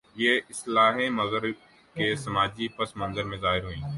یہ اصطلاحیں مغرب کے سماجی پس منظر میں ظاہر ہوئیں۔